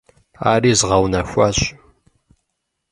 Ари згъэунэхуащ.